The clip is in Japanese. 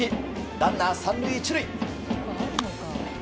ランナー３塁１塁。